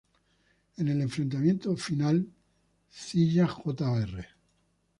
En el enfrentamiento final Zilla Jr.